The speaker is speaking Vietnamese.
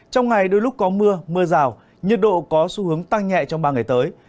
trong ngày đôi lúc có mưa mưa rào nhiệt độ có xu hướng tăng nhẹ trong ba ngày tới